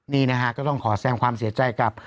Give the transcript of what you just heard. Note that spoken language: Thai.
นี่นะฮะก็ต้องขอแสงความเสียใจกับ